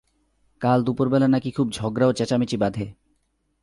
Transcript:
কাল দুপুর বেলা নাকি খুব ঝগড়া ও চেঁচামেচি বাধে।